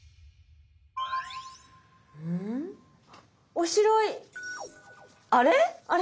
おしろい！あれ？